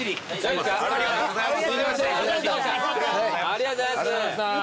ありがとうございます。